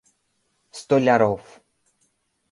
— Столяров.